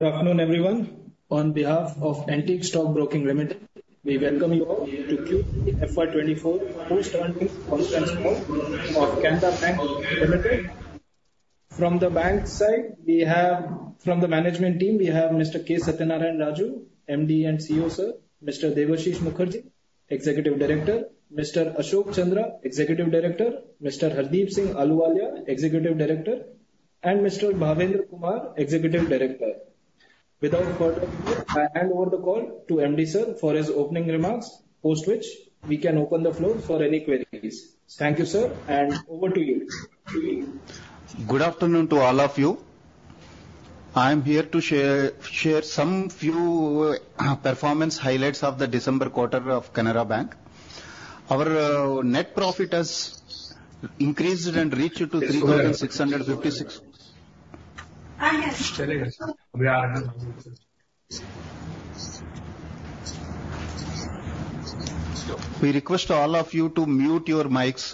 Good afternoon, everyone. On behalf of Antique Stock Broking Limited, we welcome you all to the FY 2024 post earnings conference call of Canara Bank Limited. From the bank side, we have, from the management team, we have Mr. K. Satyanarayana Raju, MD & CEO, sir, Mr. Debashish Mukherjee, Executive Director, Mr. Ashok Chandra, Executive Director, Mr. Hardeep Singh Ahluwalia, Executive Director, and Mr. Bhavendra Kumar, Executive Director. Without further ado, I hand over the call to MD, sir, for his opening remarks, post which we can open the floor for any queries. Thank you, sir, and over to you. Good afternoon to all of you. I am here to share, share some few performance highlights of the December quarter of Canara Bank. Our net profit has increased and reached to 3,656- We request all of you to mute your mics.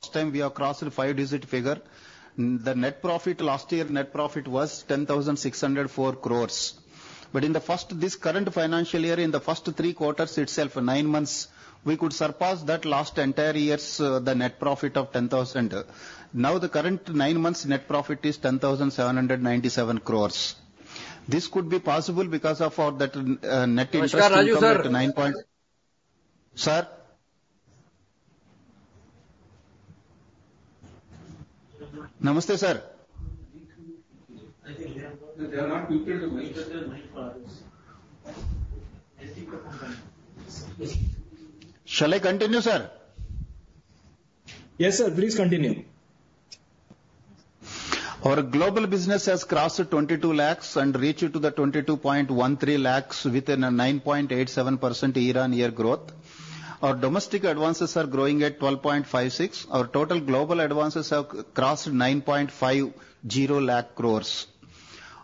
First time we have crossed a five-digit figure. The net profit, last year net profit was 10,604 crore. In the first, this current financial year, in the first three quarters itself, nine months, we could surpass that last entire year's the net profit of 10,000. Now, the current nine months net profit is 10,797 crore. This could be possible because of our net interest income at nine point- Sir? Namaste, sir. Shall I continue, sir? Yes, sir, please continue. Our global business has crossed 22 lakhs and reached to the 22.13 lakhs, with a 9.87% year-on-year growth. Our domestic advances are growing at 12.56%. Our total global advances have crossed 950,000 crore.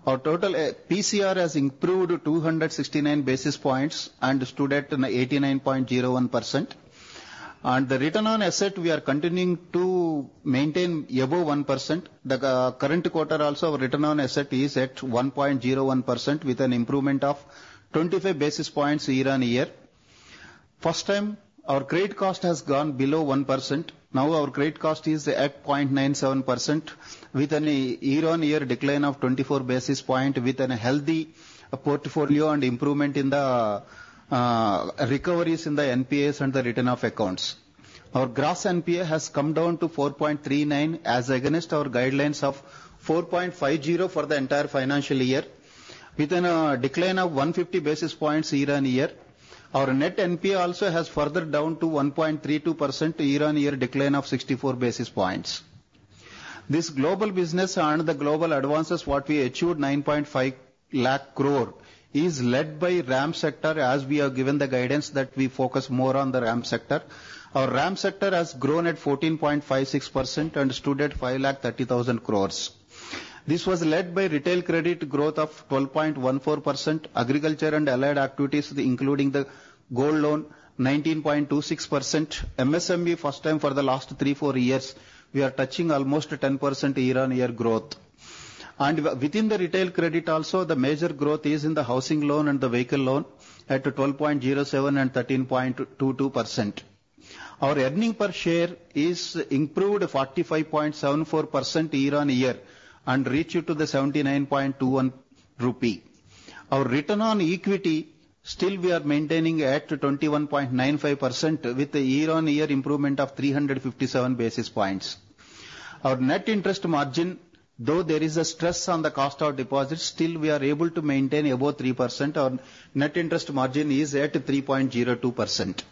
Our total PCR has improved 269 basis points and stood at 89.01%. And the return on asset, we are continuing to maintain above 1%. The current quarter also, return on asset is at 1.01%, with an improvement of 25 basis points year-on-year. First time, our credit cost has gone below 1%. Now, our credit cost is at 0.97%, with a year-on-year decline of 24 basis points, with a healthy portfolio and improvement in the recoveries in the NPAs and the written-off accounts. Our gross NPA has come down to 4.39, as against our guidelines of 4.50 for the entire financial year, with a decline of 150 basis points year-on-year. Our net NPA also has further down to 1.32%, year-on-year decline of 64 basis points. This global business and the global advances, what we achieved, 950,000 crore, is led by RAM sector, as we have given the guidance that we focus more on the RAM sector. Our RAM sector has grown at 14.56% and stood at 530,000 crore. This was led by retail credit growth of 12.14%, agriculture and allied activities, including the gold loan, 19.26%. MSME, first time for the last three, four years, we are touching almost 10% year-on-year growth. Within the retail credit also, the major growth is in the housing loan and the vehicle loan, at 12.07% and 13.22%. Our earnings per share is improved 45.74% year-on-year, and reached to the 79.21 rupee. Our return on equity, still we are maintaining at 21.95%, with a year-on-year improvement of 357 basis points. Our net interest margin, though there is a stress on the cost of deposits, still we are able to maintain above 3%. Our net interest margin is at 3.02%.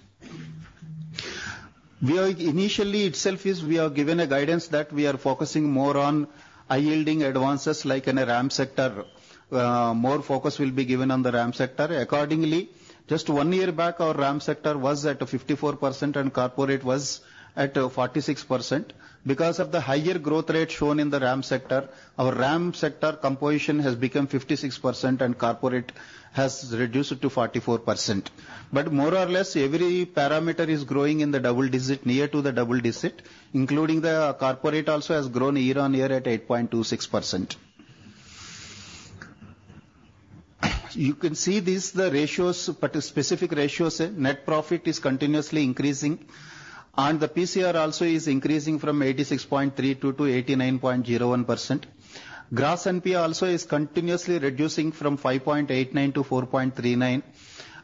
We are initially itself is we have given a guidance that we are focusing more on high-yielding advances, like in a RAM sector. More focus will be given on the RAM sector. Accordingly, just one year back, our RAM sector was at 54% and corporate was at 46%. Because of the higher growth rate shown in the RAM sector, our RAM sector composition has become 56% and corporate has reduced to 44%. But more or less, every parameter is growing in the double digit, near to the double digit, including the corporate also has grown year-on-year at 8.26%. You can see this, the ratios, part of specific ratios, net profit is continuously increasing, and the PCR also is increasing from 86.32%-89.01%. Gross NPA also is continuously reducing from 5.89%-4.39%,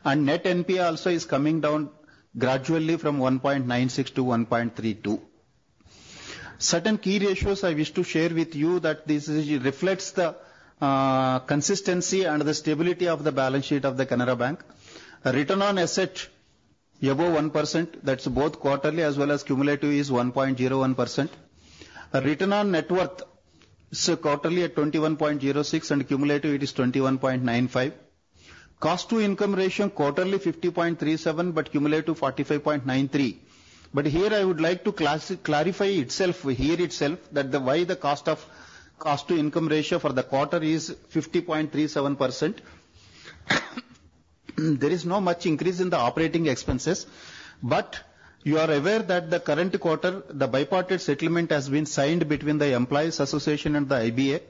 and net NPA also is coming down gradually from 1.96%-1.32%. Certain key ratios I wish to share with you that this reflects the, consistency and the stability of the balance sheet of the Canara Bank. Return on asset above 1%, that's both quarterly as well as cumulative, is 1.01%. Return on net worth is quarterly at 21.06%, and cumulative it is 21.95%. Cost to income ratio, quarterly 50.37%, but cumulative 45.93%. But here I would like to clarify itself here itself, that why the cost to income ratio for the quarter is 50.37%. There is no much increase in the operating expenses, but you are aware that the current quarter, the Bipartite Settlement has been signed between the Employees Association and the IBA.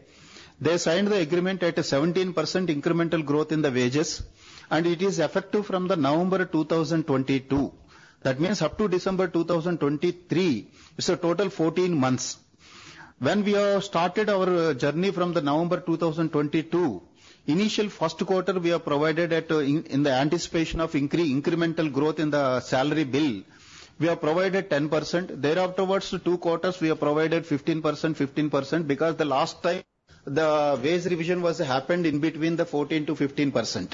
They signed the agreement at a 17% incremental growth in the wages, and it is effective from November 2022. That means up to December 2023, it's a total 14 months. When we have started our journey from November 2022, initial first quarter, we have provided in the anticipation of incremental growth in the salary bill, we have provided 10%. in two quarters, we have provided 15%, 15%, because the last time the wage revision was happened between 14%-15%.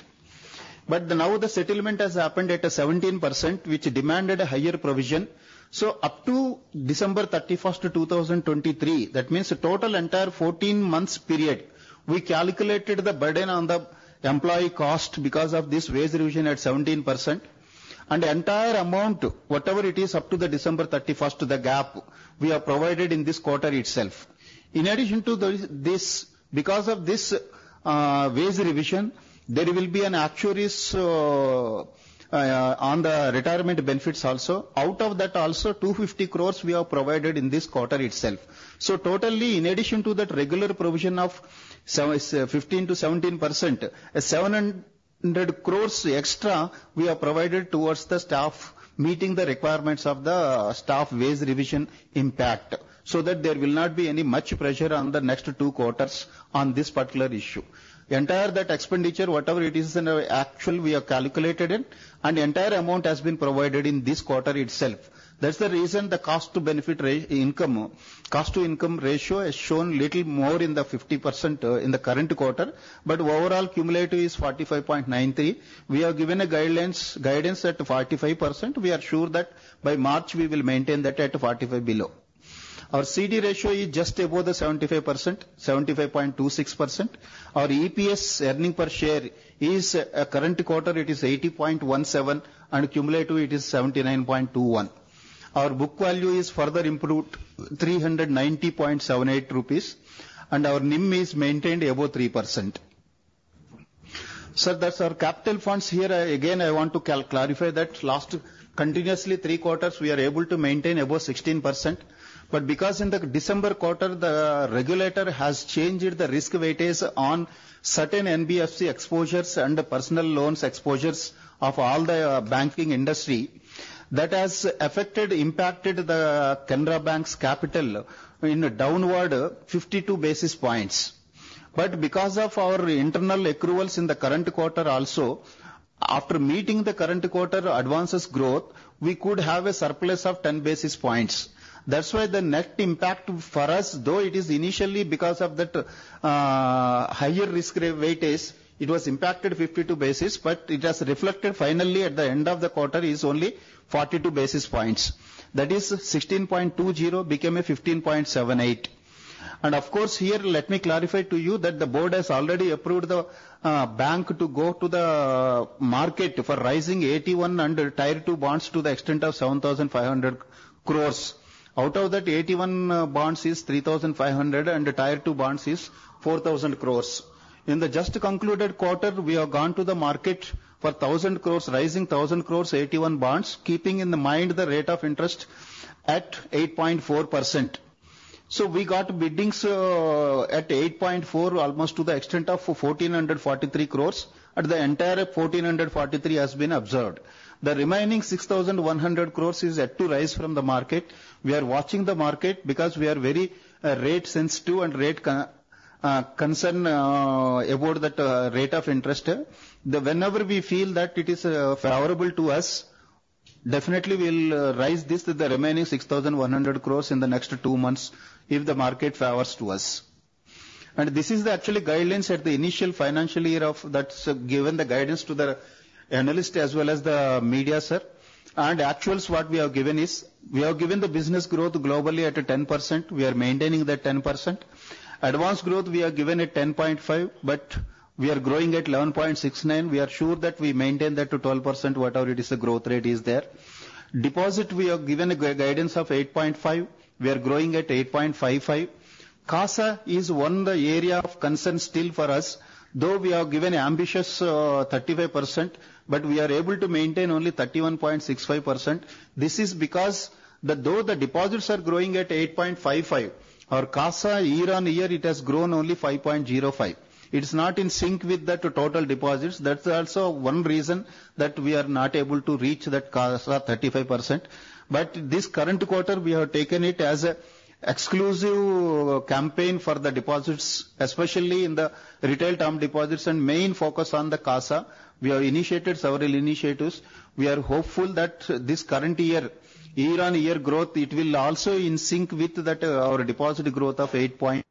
But now the settlement has happened at 17%, which demanded a higher provision. So up to December 31, 2023, that means a total entire 14 months period, we calculated the burden on the employee cost because of this wage revision at 17%. And the entire amount, whatever it is, up to December 31, the gap, we have provided in this quarter itself. In addition to this, because of this wage revision, there will be an actuarial on the retirement benefits also. Out of that also, 250 crore we have provided in this quarter itself. So totally, in addition to that regular provision of 15%-17%, 700 crore extra we have provided towards the staff, meeting the requirements of the staff wage revision impact, so that there will not be any much pressure on the next two quarters on this particular issue. Entire that expenditure, whatever it is in actual, we have calculated it, and the entire amount has been provided in this quarter itself. That's the reason the cost to benefit income, cost to income ratio, has shown little more in the 50%, in the current quarter, but overall cumulative is 45.93%. We have given a guidelines, guidance at 45%. We are sure that by March, we will maintain that at 45% below. Our CD ratio is just above the 75%, 75.26%. Our EPS, earning per share, is current quarter, it is 80.17, and cumulative, it is 79.21. Our book value is further improved, 390.78 rupees, and our NIM is maintained above 3%. So that's our capital funds. Here, again, I want to clarify that last continuously three quarters, we are able to maintain above 16%. But because in the December quarter, the regulator has changed the risk weightage on certain NBFC exposures and the personal loans exposures of all the banking industry, that has affected, impacted the Canara Bank's capital in a downward 52 basis points. But because of our internal accruals in the current quarter also, after meeting the current quarter advances growth, we could have a surplus of 10 basis points. That's why the net impact for us, though it is initially because of that, higher risk weightage, it was impacted 52 basis points, but it has reflected finally at the end of the quarter, is only 42 basis points. That is 16.20 became a 15.78. And of course, here, let me clarify to you that the board has already approved the bank to go to the market for raising AT1 under Tier 2 bonds to the extent of INR 7,500 crore. Out of that, AT1 bonds is INR 3,500 crore, and Tier 2 bonds is INR 4,000 crore. In the just concluded quarter, we have gone to the market for INR 1,000 crore, raising INR 1,000 crore AT1 bonds, keeping in the mind the rate of interest at 8.4%. So we got biddings at 8.4, almost to the extent of 1,443 crore, and the entire 1,443 crore has been observed. The remaining 6,100 crore is yet to raise from the market. We are watching the market because we are very rate sensitive and rate concerned about that rate of interest. Whenever we feel that it is favorable to us, definitely we'll raise the remaining 6,100 crore in the next two months, if the market favors us. And this is actually the guidelines at the initial financial year that's given the guidance to the analyst as well as the media, sir. And actually, what we have given is, we have given the business growth globally at 10%. We are maintaining that 10%. Advanced growth, we have given it 10.5, but we are growing at 11.69. We are sure that we maintain that to 12%, whatever it is, the growth rate is there. Deposit, we have given a guidance of 8.5. We are growing at 8.55. CASA is one of the areas of concern still for us, though we have given ambitious 35%, but we are able to maintain only 31.65%. This is because though the deposits are growing at 8.55, our CASA, year on year, it has grown only 5.05. It is not in sync with the total deposits. That's also one reason that we are not able to reach that CASA 35%. But this current quarter, we have taken it as an exclusive campaign for the deposits, especially in the retail term deposits, and main focus on the CASA. We have initiated several initiatives. We are hopeful that this current year, year-on-year growth, it will also in sync with that, our deposit growth of 8%.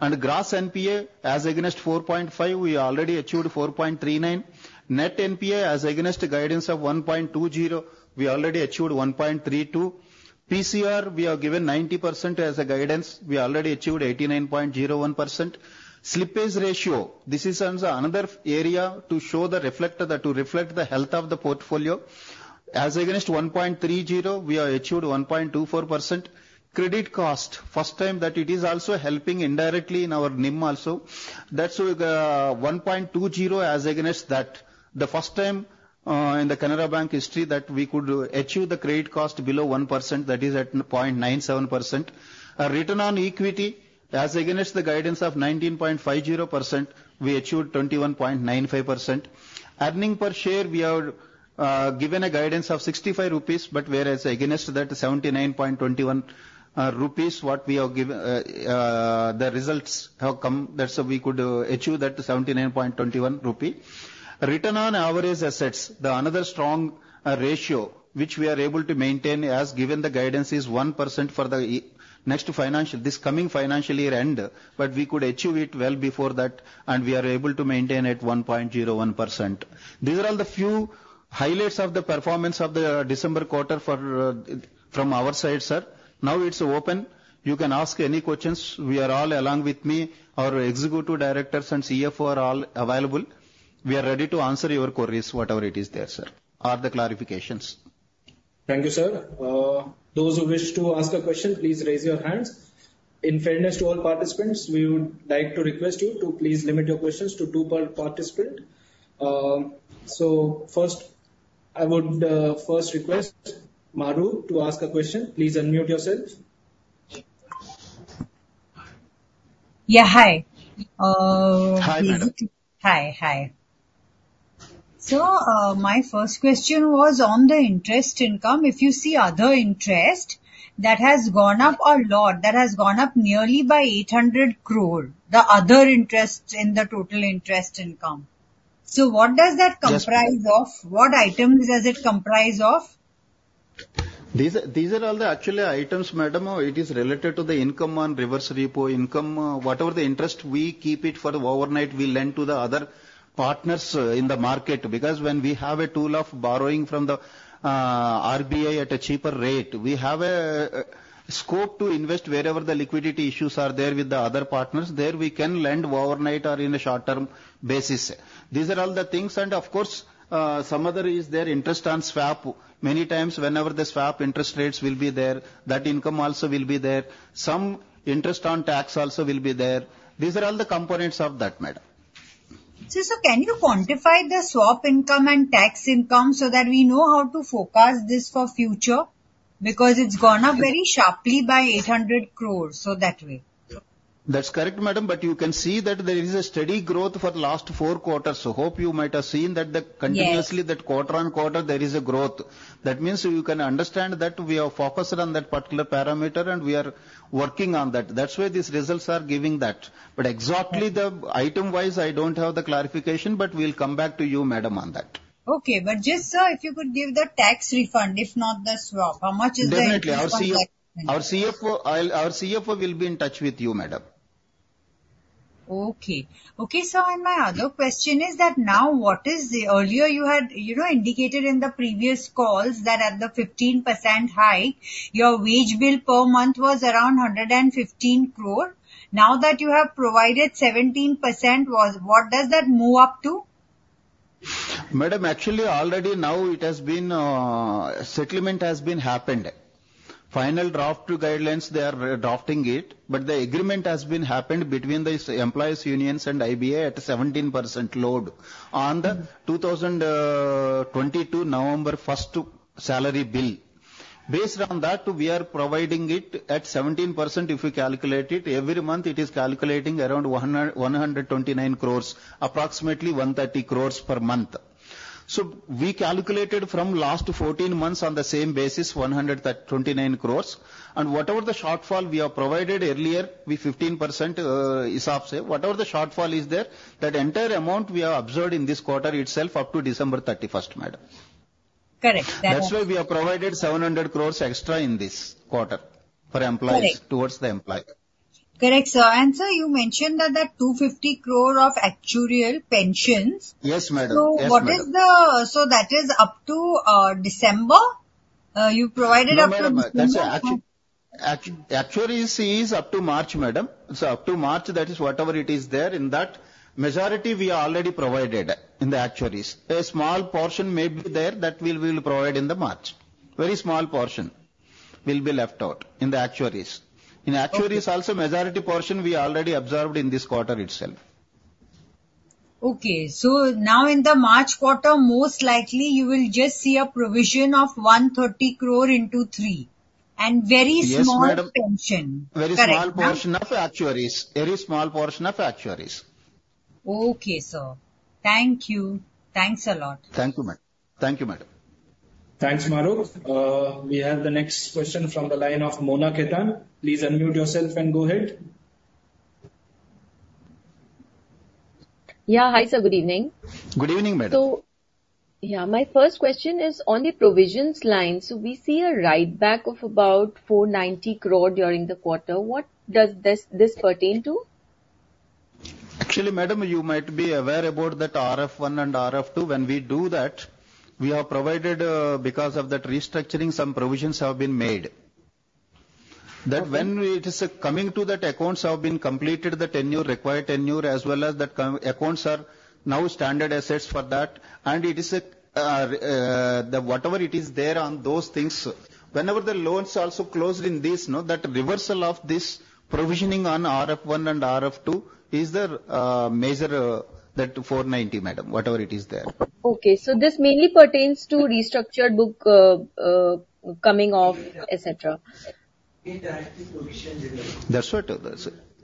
And gross NPA, as against 4.5, we already achieved 4.39.... Net NPA as against the guidance of 1.20, we already achieved 1.32. PCR, we have given 90% as a guidance, we already achieved 89.01%. Slippage ratio, this is also another area to show the reflect, the - to reflect the health of the portfolio. As against 1.30, we have achieved 1.24%. Credit cost, first time that it is also helping indirectly in our NIM also. That's with 1.20 as against that. The first time in the Canara Bank history that we could achieve the credit cost below 1%, that is at 0.97%. Our return on equity, as against the guidance of 19.50%, we achieved 21.95%. Earnings per share, we have given a guidance of 65 rupees, but whereas against that, 79.21 rupees, what we have given, the results have come, that's so we could achieve that 79.21 rupee. Return on average assets, another strong ratio, which we are able to maintain as given the guidance is 1% for the next financial—this coming financial year end, but we could achieve it well before that, and we are able to maintain at 1.01%. These are all the few highlights of the performance of the December quarter for, from our side, sir. Now it's open. You can ask any questions. We are all along with me, our executive directors and CFO are all available. We are ready to answer your queries, whatever it is there, sir, or the clarifications. Thank you, sir. Those who wish to ask a question, please raise your hands. In fairness to all participants, we would like to request you to please limit your questions to two per participant. So first, I would first request Maru to ask a question. Please unmute yourself. Yeah, hi. Hi, madam. Hi, hi. So, my first question was on the interest income. If you see other interest, that has gone up a lot. That has gone up nearly by 800 crore, the other interests in the total interest income. So what does that comprise of? Yes, ma'am. What items does it comprise of? These are, these are all the actually items, madam. It is related to the income on reverse repo income. Whatever the interest, we keep it for overnight, we lend to the other partners in the market, because when we have a tool of borrowing from the RBI at a cheaper rate, we have a scope to invest wherever the liquidity issues are there with the other partners. There, we can lend overnight or in a short-term basis. These are all the things, and of course, some other is there, interest on swap. Many times whenever the swap interest rates will be there, that income also will be there. Some interest on tax also will be there. These are all the components of that, madam. So, sir, can you quantify the swap income and tax income so that we know how to forecast this for future? Because it's gone up very sharply by 800 crore, so that way. That's correct, madam, but you can see that there is a steady growth for the last four quarters. So hope you might have seen that the- Yes. continuously, that quarter-on-quarter, there is a growth. That means you can understand that we have focused on that particular parameter, and we are working on that. That's why these results are giving that. Right. But exactly the item-wise, I don't have the clarification, but we'll come back to you, madam, on that. Okay. But just, sir, if you could give the tax refund, if not the swap, how much is the income tax? Definitely. Our CFO will be in touch with you, madam. Okay. Okay, sir, and my other question is that, now what is the... Earlier you had, you know, indicated in the previous calls that at the 15% high, your wage bill per month was around 115 crore. Now that you have provided 17%, what does that move up to? Madam, actually, already now it has been, settlement has been happened. Final draft guidelines, they are drafting it, but the agreement has been happened between the employees unions and IBA at a 17% load- Mm-hmm. on the 2022 November 1 salary bill. Based on that, we are providing it at 17%. If you calculate it, every month, it is calculating around 129 crore, approximately 130 crore per month. So we calculated from last 14 months on the same basis, 129 crore. And whatever the shortfall we have provided earlier, with 15%, whatever the shortfall is there, that entire amount we have absorbed in this quarter itself up to December 31, madam. Correct. That's why we have provided 700 crore extra in this quarter for employees- Correct. -towards the employee. Correct, sir. Sir, you mentioned that the 250 crore of actuarial pensions- Yes, madam. Yes, madam. So what is the—so that is up to December, you provided up to- No, madam, that's actuary sees up to March, madam. So up to March, that is whatever it is there, in that, majority we already provided in the actuaries. A small portion may be there that we'll provide in the March. Very small portion will be left out in the actuaries. Okay. In actuaries also, majority portion we already absorbed in this quarter itself. Okay. So now in the March quarter, most likely you will just see a provision of 130 crore in Q3, and very small- Yes, madam - pension. Very small- Correct... portion of actuaries. Very small portion of actuaries. Okay, sir. Thank you. Thanks a lot. Thank you, madam. Thank you, madam. Thanks, Maru. We have the next question from the line of Mona Khetan. Please unmute yourself and go ahead. Yeah. Hi, sir, good evening. Good evening, madam.... Yeah, my first question is on the provisions line. So we see a write back of about 490 crore during the quarter. What does this, this pertain to? Actually, madam, you might be aware about that RF 1 and RF 2. When we do that, we have provided, because of that restructuring, some provisions have been made. That when we, it is coming to that accounts have been completed, the tenure, required tenure, as well as the count accounts are now standard assets for that, and it is a, the whatever it is there on those things. Whenever the loans are also closed in this, no, that reversal of this provisioning on RF 1 and RF 2 is the major, that 490, madam, whatever it is there. Okay. So this mainly pertains to restructured book, coming off, et cetera? That's what.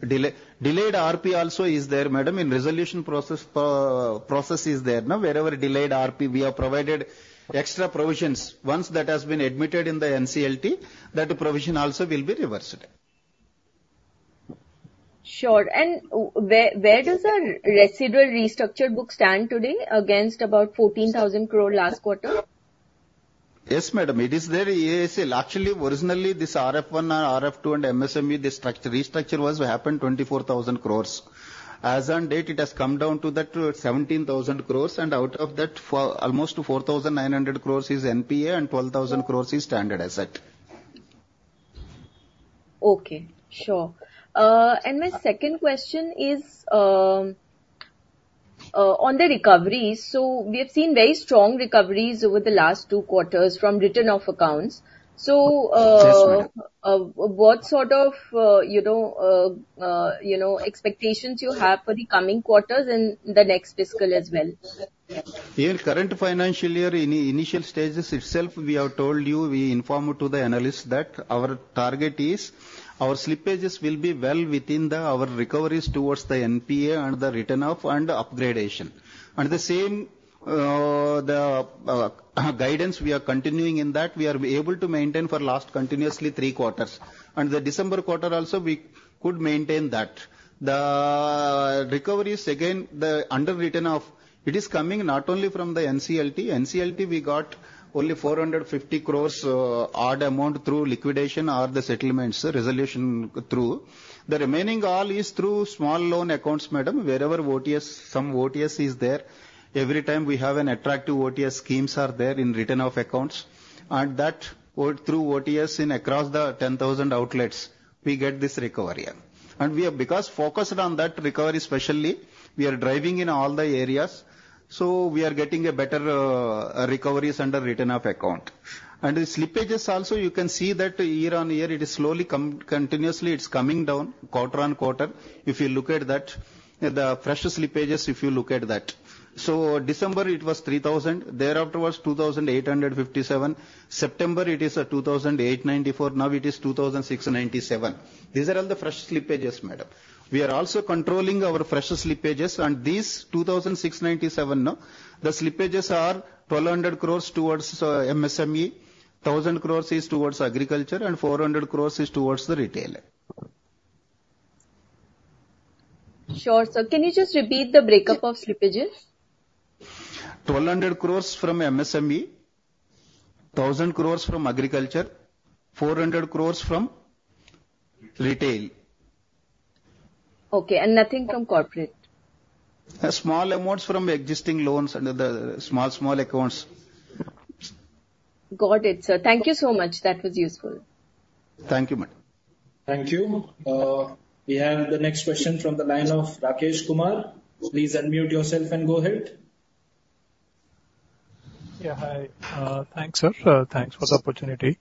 Delayed RP also is there, madam. In resolution process, process is there, no. Wherever delayed RP, we have provided extra provisions. Once that has been admitted in the NCLT, that provision also will be reversed. Sure. And where does the residual restructured book stand today against about 14,000 crore last quarter? Yes, madam. It is there, as well. Actually, originally, this RF1 and RF2 and MSME, this structure- restructure was happened 24,000 crore. As on date, it has come down to that 17,000 crore, and out of that, for almost 4,900 crore is NPA and 12,000 crore is standard asset. Okay. Sure. And my second question is on the recoveries. So we have seen very strong recoveries over the last two quarters from written-off accounts. Yes, madam. What sort of, you know, you know, expectations you have for the coming quarters and the next fiscal as well? In current financial year, in the initial stages itself, we have told you, we informed to the analyst that our target is, our slippages will be well within the our recoveries towards the NPA and the written off and the upgradation. And the same, guidance we are continuing in that, we are able to maintain for last continuously three quarters. And the December quarter also, we could maintain that. The recoveries, again, the under written off, it is coming not only from the NCLT. NCLT, we got only 450 crore odd amount through liquidation or the settlements resolution through. The remaining all is through small loan accounts, madam. Wherever OTS, some OTS is there, every time we have an attractive OTS schemes are there in written-off accounts, and that through OTS in across the 10,000 outlets, we get this recovery. We are because focused on that recovery especially, we are driving in all the areas, so we are getting a better recoveries under written-off account. And the slippages also, you can see that year-on-year, it is slowly continuously coming down quarter-on-quarter. If you look at that, the fresher slippages, if you look at that. So December, it was 3,000 crore; thereafter, it was 2,857 crore. September, it is 2,894 crore. Now it is 2,697 crore. These are all the fresh slippages, madam. We are also controlling our fresh slippages, and these 2,697 crore, no, the slippages are 1,200 crore towards MSME, 1,000 crore towards agriculture, and 400 crore towards the retail. Sure, sir. Can you just repeat the break-up of slippages? 1,200 crore from MSME, 1,000 crore from agriculture, 400 crore from retail. Okay, and nothing from corporate? Small amounts from existing loans under the small, small accounts. Got it, sir. Thank you so much. That was useful. Thank you, madam. Thank you. We have the next question from the line of Rakesh Kumar. Please unmute yourself and go ahead. Yeah, hi. Thanks, sir. Thanks for the opportunity.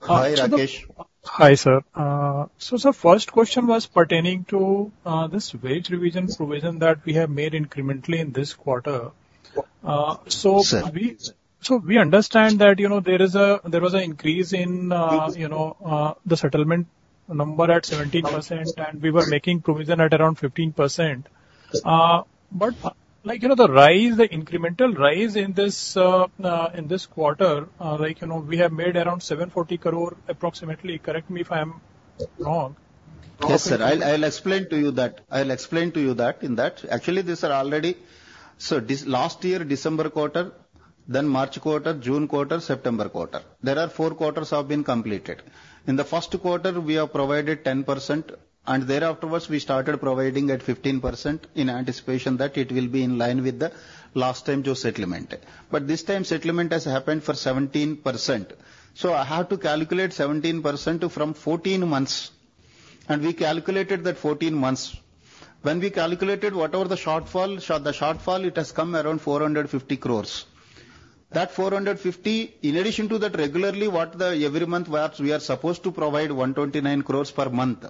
Hi, Rakesh. Hi, sir. So, sir, first question was pertaining to this wage revision provision that we have made incrementally in this quarter. So- Sir. So we understand that, you know, there is a, there was an increase in, the settlement number at 17%, and we were making provision at around 15%. But, like, you know, the rise, the incremental rise in this, in this quarter, like, you know, we have made around 740 crore approximately. Correct me if I am wrong. Yes, sir. I'll explain to you that. Actually, these are already... So this last year, December quarter, then March quarter, June quarter, September quarter. There are four quarters have been completed. In the first quarter, we have provided 10%, and there afterwards, we started providing at 15% in anticipation that it will be in line with the last time wage settlement. But this time, settlement has happened for 17%. So I have to calculate 17% from 14 months, and we calculated that 14 months. When we calculated whatever the shortfall, so the shortfall, it has come around 450 crore. That 450 crore, in addition to that, regularly, what the every month, perhaps we are supposed to provide 129 crore per month.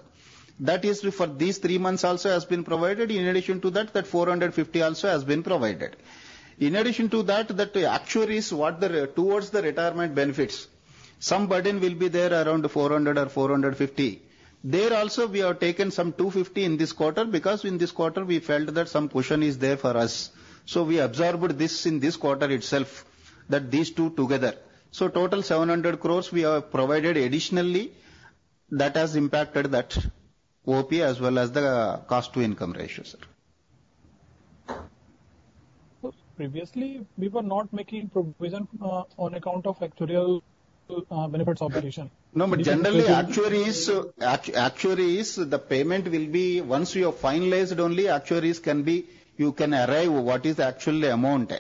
That is for these three months also has been provided. In addition to that, that 450 crore also has been provided. In addition to that, that actuaries, what the towards the retirement benefits, some burden will be there around 400 crore or 450 crore. There also, we have taken some 250 crore in this quarter, because in this quarter we felt that some cushion is there for us. So we absorbed this in this quarter itself, that these two together. So total 700 crore we have provided additionally. That has impacted that OP as well as the cost to income ratio, sir. Previously, we were not making provision on account of actuarial benefits operation? No, but generally, actuaries, the payment will be once you have finalized only. Actuaries can be, you can arrive what is the actual amount.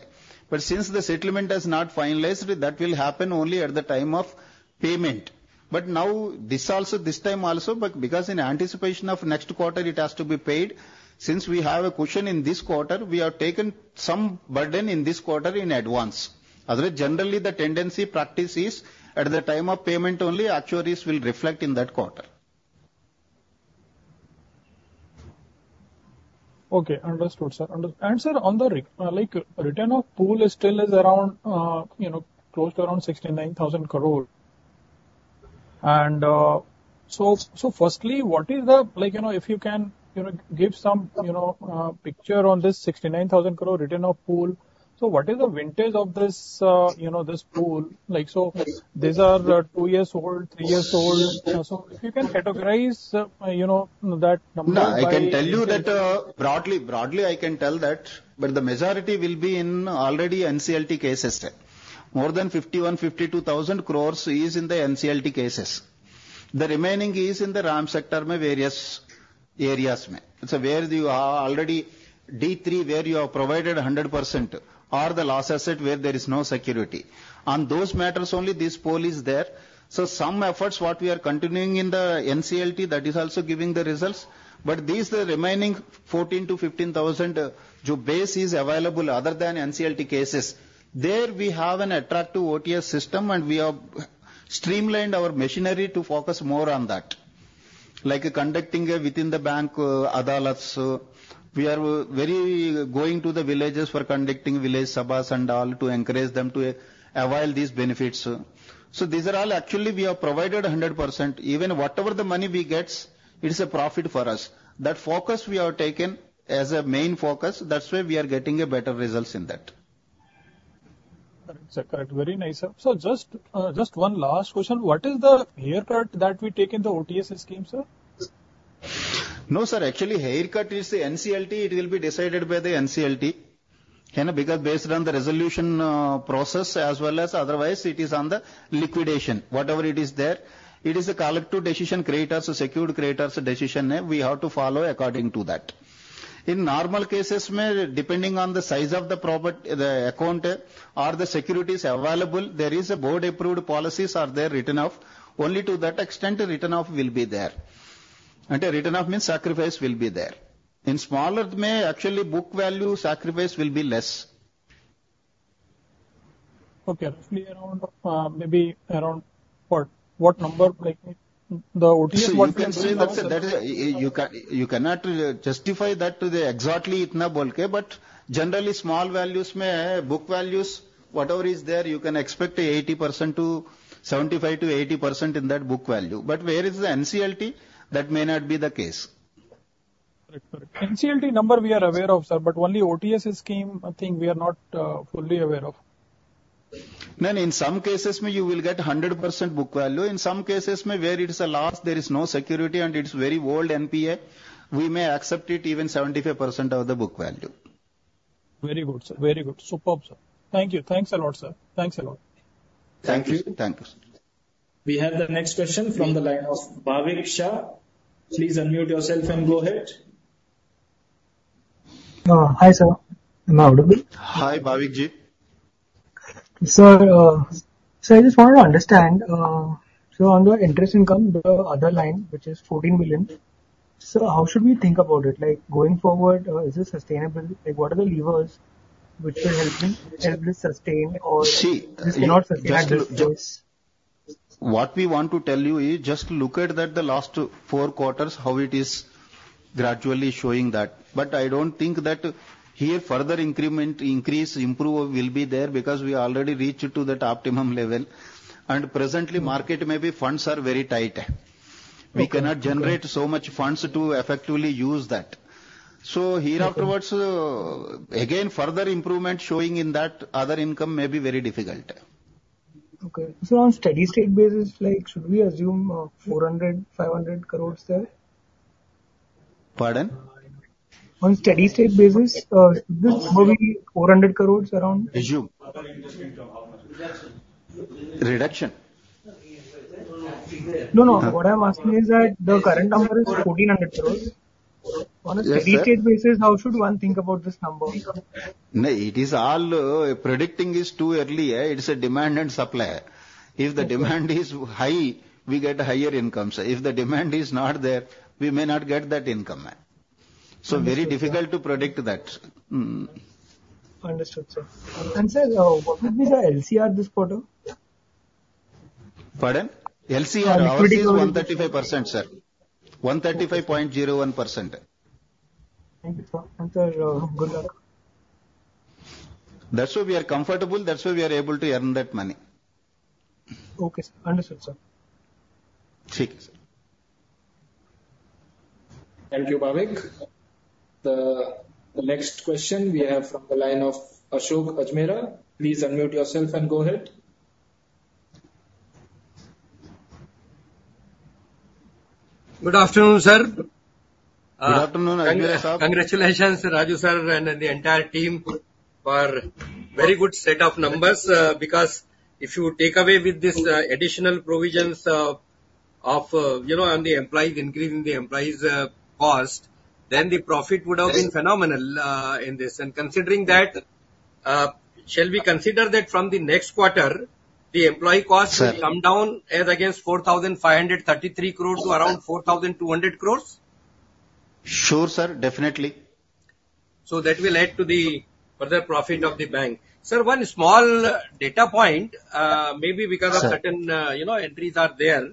But since the settlement is not finalized, that will happen only at the time of payment. But now, this also, this time also, but because in anticipation of next quarter, it has to be paid, since we have a cushion in this quarter, we have taken some burden in this quarter in advance. Otherwise, generally, the tendency practice is at the time of payment, only actuaries will reflect in that quarter. Okay, understood, sir. Understood, and, sir, on the, like, written-off pool is still around, you know, close to around 69,000 crore. And, so, firstly, what is the... Like, you know, if you can, you know, give some, you know, picture on this 69,000 crore written-off pool. So what is the vintage of this, you know, this pool? Like, so these are two years old, three years old. So if you can categorize, you know, that number by- No, I can tell you that, broadly, broadly, I can tell that, but the majority will be in already NCLT cases. More than 51,000 crore-52,000 crore is in the NCLT cases. The remaining is in the RAM sector, various areas. So where you are already D3, where you have provided 100% or the loss asset where there is no security. On those matters, only this pool is there. So some efforts, what we are continuing in the NCLT, that is also giving the results. But these, the remaining 14,000 crore-15,000 crore, the base is available other than NCLT cases. There we have an attractive OTS system, and we have streamlined our machinery to focus more on that. Like conducting, within the bank, Adalats. We are very going to the villages for conducting village Sabhas and all to encourage them to avail these benefits. These are all actually, we have provided 100%. Even whatever the money we get, it is a profit for us. That focus we have taken as a main focus, that's why we are getting better results in that. Correct, sir. Correct. Very nice, sir. So just, just one last question. What is the haircut that we take in the OTS scheme, sir? No, sir. Actually, haircut is the NCLT. It will be decided by the NCLT. Kind of because based on the resolution process as well as otherwise, it is on the liquidation. Whatever it is there, it is a collective decision, creditors, secured creditors decision, we have to follow according to that. In normal cases, depending on the size of the proper the account or the securities available, there is a board-approved policies are there, written off. Only to that extent, a written off will be there. And a written off means sacrifice will be there. In smaller, may actually, book value sacrifice will be less. Okay, roughly around, maybe around what, what number, like, the OTS what we are doing now- So you can see that, you cannot justify that to the exactly, but generally, small values, book values, whatever is there, you can expect 80% to 75%-80% in that book value. But where is the NCLT, that may not be the case. Correct. Correct. NCLT number we are aware of, sir, but only OTS scheme, I think we are not fully aware of. Then in some cases, you will get 100% book value. In some cases, maybe where it is a loss, there is no security, and it's very old NPA, we may accept it even 75% of the book value. Very good, sir. Very good. Superb, sir. Thank you. Thanks a lot, sir. Thanks a lot. Thank you. Thank you. We have the next question from the line of Bhavik Shah. Please unmute yourself and go ahead. Hi, sir. Am I audible? Hi, Bhavik Ji. Sir, so I just wanted to understand, so on your interest income, the other line, which is 14 million, so how should we think about it? Like, going forward, is this sustainable? Like, what are the levers which will help me sustain or- See- Not sustain this? What we want to tell you is just look at that, the last four quarters, how it is gradually showing that. But I don't think that here, further increment, increase, improve will be there because we already reached to that optimum level. And presently, market, maybe funds are very tight. Okay. We cannot generate so much funds to effectively use that. So here afterwards- Okay. - Again, further improvement showing in that other income may be very difficult. Okay. So on steady-state basis, like, should we assume 400 crore-500 crore there? Pardon? On steady-state basis, this will be 400 crore around? Assume. Reduction. Reduction? No, no. What I'm asking is that the current number is 1,400 crore. Yes, sir. On a steady-state basis, how should one think about this number? No, it is all. Predicting is too early. It's a demand and supply. Okay. If the demand is high, we get higher incomes. If the demand is not there, we may not get that income. So very difficult to predict that. Mm-hmm. Understood, sir. And sir, what would be the LCR this quarter? Pardon? LCR- Liquidity- - is 135%, sir. 135.01%. Thank you, sir. And, sir, good luck. That's why we are comfortable, that's why we are able to earn that money. Okay, sir. Understood, sir. Thank you, sir.... Thank you, Bhavik. The next question we have from the line of Ashok Ajmera. Please unmute yourself and go ahead. Good afternoon, sir. Good afternoon, Ajmera sir. Congratulations, Raju sir, and the entire team for very good set of numbers. Because if you take away with this additional provisions of you know on the employees, increasing the employees' cost, then the profit would have been- Yes. phenomenal, in this. And considering that, shall we consider that from the next quarter, the employee costs- Sir. -will come down as against 4,533 crore to around 4,200 crore? Sure, sir, definitely. So that will add to the further profit of the bank. Sir, one small data point, maybe because of- Sir. Certain, you know, entries are there.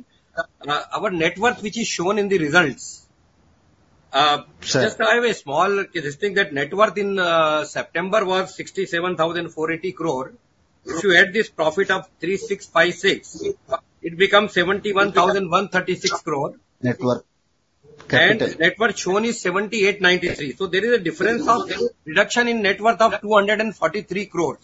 Our net worth, which is shown in the results, Sir. That net worth in September was 67,480 crore. If you add this profit of 3,656, it becomes 71,136 crore. Net worth, capital. Net worth shown is 7,893. So there is a difference of- Yes. reduction in net worth of 243 crore.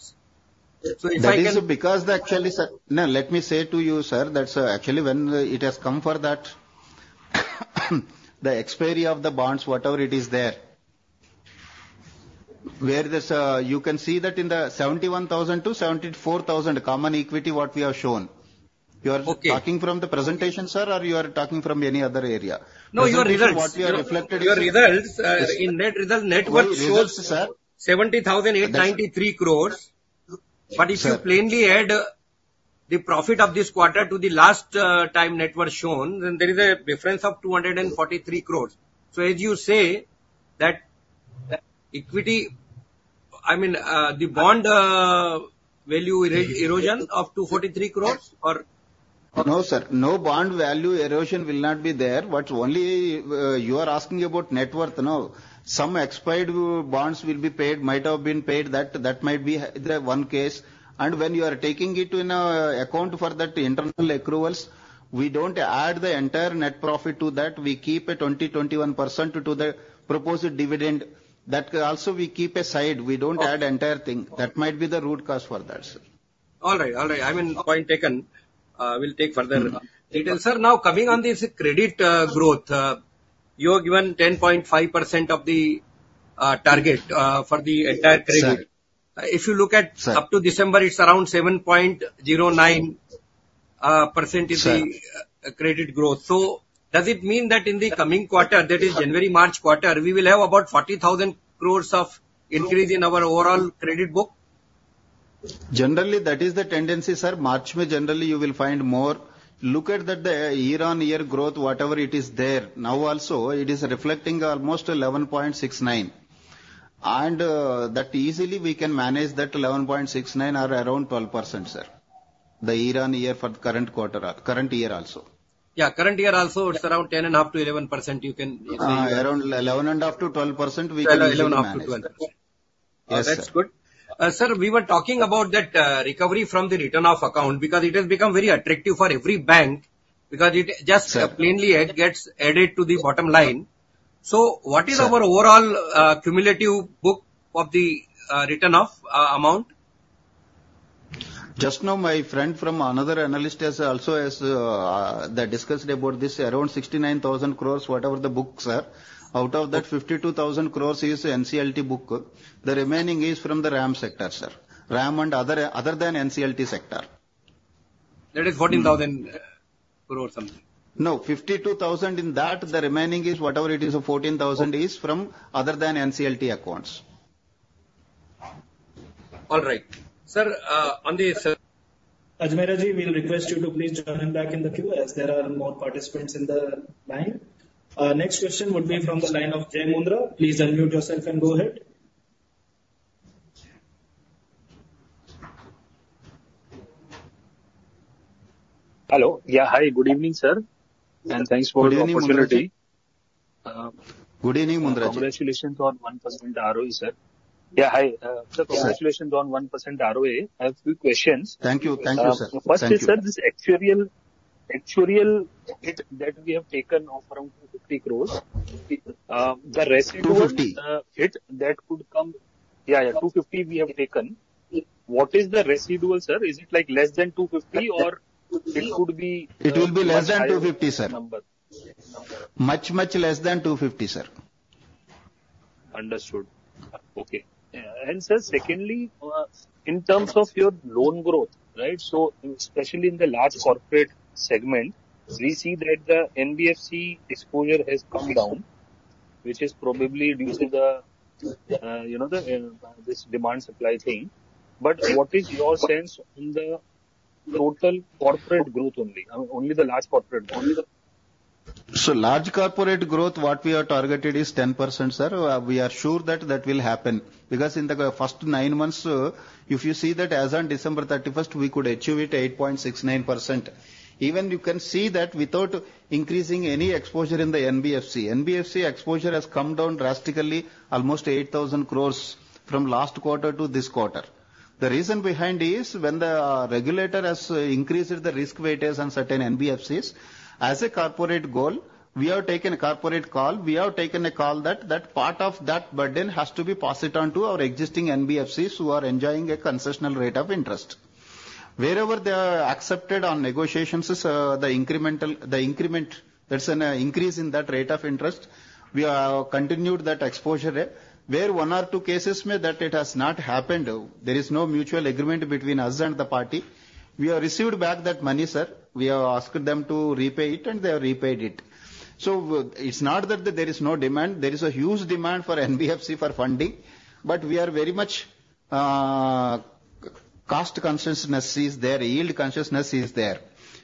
So if I can- That is because actually, sir. No, let me say to you, sir, that actually, when it has come for that, the expiry of the bonds, whatever it is there, where there's you can see that in the 71,000-74,000 common equity, what we have shown. Okay. You are talking from the presentation, sir, or you are talking from any other area? No, your results. What you have reflected. Your results, in that result, net worth- More results, sir. 70,893 crore. Sure. But if you plainly add the profit of this quarter to the last time net worth shown, then there is a difference of 243 crore. So as you say, that equity, I mean, the bond value erosion of 243 crore or- No, sir. No bond value erosion will not be there. What only, you are asking about net worth. No. Some expired bonds will be paid, might have been paid, that, that might be the one case. And when you are taking it into, account for that internal accruals, we don't add the entire net profit to that. We keep a 20%-21% to do the proposed dividend. That also we keep aside, we don't add- Okay. The entire thing. That might be the root cause for that, sir. All right. All right. I mean, point taken. We'll take further details. Sir, now, coming on this credit growth, you have given 10.5% of the target for the entire credit. Sir. If you look at- Sir. -up to December, it's around 7.09%- Sir... is the credit growth. So does it mean that in the coming quarter, that is January-March quarter, we will have about 40,000 crore of increase in our overall credit book? Generally, that is the tendency, sir. March, generally, you will find more. Look at that the year-on-year growth, whatever it is there. Now also, it is reflecting almost 11.69. And, that easily we can manage that 11.69 or around 12%, sir, the year-on-year for the current quarter, current year also. Yeah, current year also, it's around 10.5%-11%, you can say. Around 11.5%-12%, we can manage. 11.5-12. Yes, sir. That's good. Sir, we were talking about that, recovery from the written-off account, because it has become very attractive for every bank, because it just- Sir. Plainly, it gets added to the bottom line. Sir. What is our overall cumulative book of the written-off amount? Just now, my friend from another analyst has also has, they discussed about this, around 69,000 crore, whatever the books are. Out of that, 52,000 crore is NCLT book. The remaining is from the RAM sector, sir. RAM and other, other than NCLT sector. That is INR 14,000 crore, something. No, 52,000 in that, the remaining is whatever it is, 14,000 is from other than NCLT accounts. All right. Sir, on the- Ajmera, we'll request you to please join back in the queue as there are more participants in the line. Next question would be from the line of Jai Mundra. Please unmute yourself and go ahead. Hello. Yeah. Hi, good evening, sir, and thanks for the opportunity. Good evening, Mundra. Congratulations on 1% ROE, sir. Yeah, hi, Yeah. Congratulations on 1% ROE. I have few questions. Thank you. Thank you, sir. First is, sir, this actuarial hit that we have taken of around 250 crore, the residual- 250. Hit that could come. Yeah, yeah, 250 we have taken. What is the residual, sir? Is it, like, less than 250 or it could be- It will be less than 250, sir. Number. Much, much less than 250, sir. Understood. Okay. And sir, secondly, in terms of your loan growth, right? So especially in the large corporate segment, we see that the NBFC exposure has come down, which is probably due to the, you know, this demand-supply thing. But what is your sense in the total corporate growth only, only the large corporate? Only the- So large corporate growth, what we have targeted is 10%, sir. We are sure that that will happen, because in the first nine months, if you see that as on December thirty-first, we could achieve 8.69%. Even you can see that without increasing any exposure in the NBFC, NBFC exposure has come down drastically, almost 8,000 crore from last quarter to this quarter. The reason behind is when the regulator has increased the risk weightage on certain NBFCs, as a corporate goal, we have taken a corporate call. We have taken a call that that part of that burden has to be passed on to our existing NBFCs, who are enjoying a concessional rate of interest. Wherever they are accepted on negotiations is, the incremental, the increment, there's an increase in that rate of interest. We have continued that exposure there. Where one or two cases may that it has not happened, there is no mutual agreement between us and the party, we have received back that money, sir. We have asked them to repay it, and they have repaid it. So it's not that there is no demand. There is a huge demand for NBFC for funding, but we are very much, cost consciousness is there, yield consciousness is there.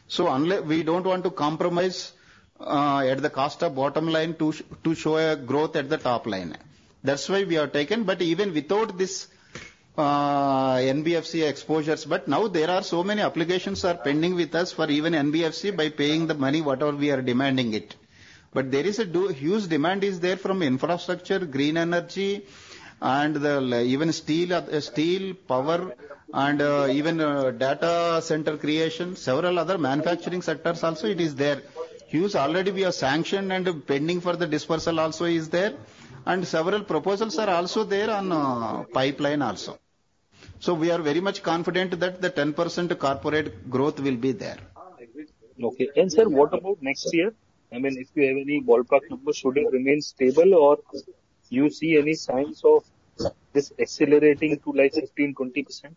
So we don't want to compromise, at the cost of bottom line to show a growth at the top line. That's why we have taken, but even without this, NBFC exposures, but now there are so many applications are pending with us for even NBFC by paying the money, whatever we are demanding it. But there is a huge demand is there from infrastructure, green energy, and even steel, steel, power, and even data center creation. Several other manufacturing sectors also, it is there. Huge already we have sanctioned and pending for the disbursal also is there, and several proposals are also there on pipeline also. So we are very much confident that the 10% corporate growth will be there. Okay. And, sir, what about next year? I mean, if you have any ballpark numbers, should it remain stable, or you see any signs of this accelerating to like 15%-20%?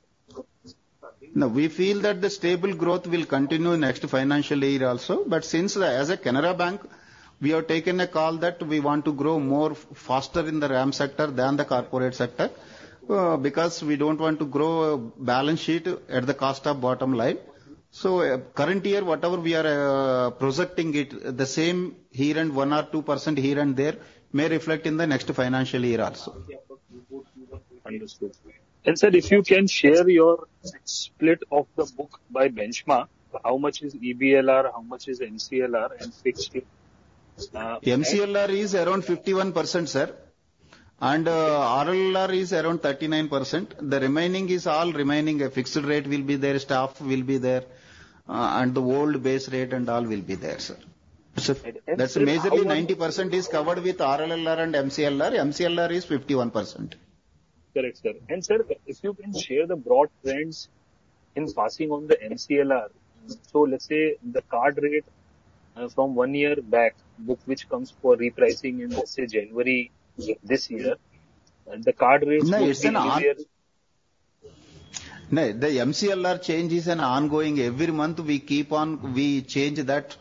No, we feel that the stable growth will continue next financial year also. But since as a Canara Bank, we have taken a call that we want to grow more faster in the RAM sector than the corporate sector, because we don't want to grow a balance sheet at the cost of bottom line. So, current year, whatever we are, projecting it, the same here, and 1 or 2% here and there may reflect in the next financial year also. Sir, if you can share your split of the book by benchmark, how much is EBLR, how much is MCLR, and fixed? MCLR is around 51%, sir, and RLLR is around 39%. The remaining is all remaining, fixed rate will be there, staff will be there, and the old base rate and all will be there, sir. Sir- That's majorly 90% is covered with RLLR and MCLR. MCLR is 51%. Correct, sir. And, sir, if you can share the broad trends in passing on the MCLR. So let's say the card rate from one year back, book which comes for repricing in, let's say, January this year, the card rates would be one year- No, the MCLR change is ongoing. Every month, we keep on—we change that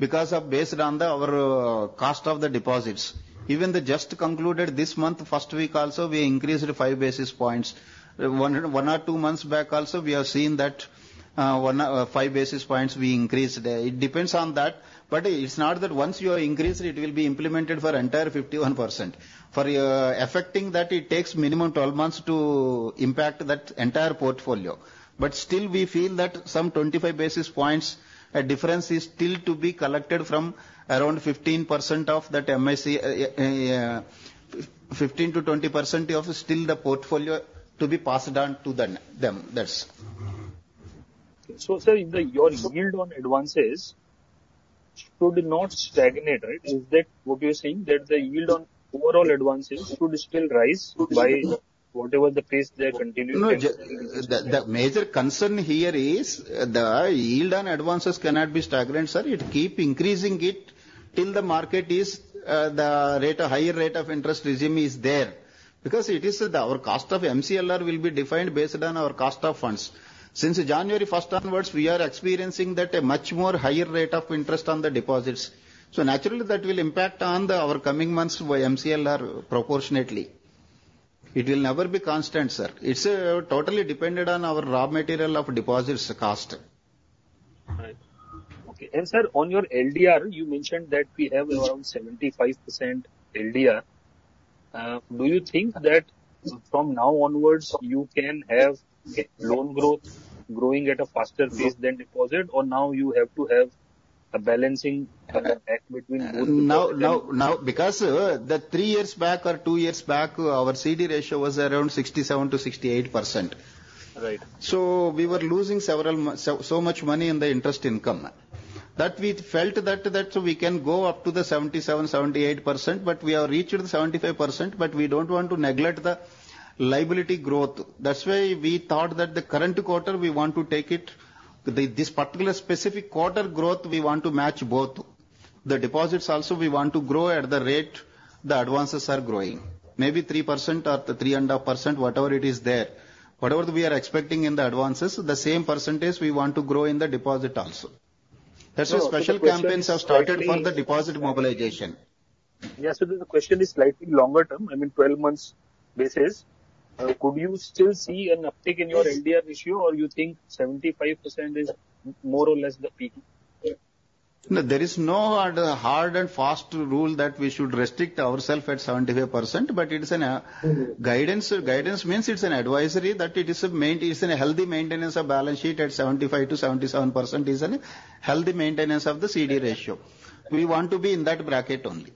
because, based on our cost of the deposits. Even the just concluded this month, first week also, we increased 5 basis points. One or two months back also, we increased 5 basis points. It depends on that, but it's not that once you increase it, it will be implemented for entire 51%. For effecting that, it takes minimum 12 months to impact that entire portfolio. But still we feel that some 25 basis points difference is still to be collected from around 15% of that MC, 15%-20% of still the portfolio to be passed on to the n-them. That's... So, sir, if your yield on advances should not stagnate, right? Is that what you're saying, that the yield on overall advances should still rise by whatever the pace they continue? No, the major concern here is the yield on advances cannot be stagnant, sir. It keep increasing it till the market is a higher rate of interest regime is there. Because it is our cost of MCLR will be defined based on our cost of funds. Since January first onwards, we are experiencing that a much more higher rate of interest on the deposits. So naturally, that will impact on our coming months by MCLR proportionately. It will never be constant, sir. It's totally dependent on our raw material of deposits cost. Right. Okay. And, sir, on your LDR, you mentioned that we have around 75% LDR. Do you think that from now onwards, you can have loan growth growing at a faster pace than deposit, or now you have to have a balancing act between both? Now, because the three years back or two years back, our CD ratio was around 67%-68%. Right. So we were losing so much money in the interest income. That we felt that we can go up to the 77-78%, but we have reached 75%, but we don't want to neglect the liability growth. That's why we thought that the current quarter, we want to take it, this particular specific quarter growth, we want to match both. The deposits also we want to grow at the rate the advances are growing, maybe 3% or 3.5%, whatever it is there. Whatever we are expecting in the advances, the same percentage we want to grow in the deposit also. So- That's why special campaigns have started for the deposit mobilization. Yeah, so the question is slightly longer term, I mean, 12 months basis. Could you still see an uptick in your LDR ratio, or you think 75% is more or less the peak? No, there is no hard and fast rule that we should restrict ourselves at 75%, but it is a guidance. Guidance means it's an advisory, that it is a healthy maintenance of balance sheet at 75%-77% is a healthy maintenance of the CD ratio. We want to be in that bracket only....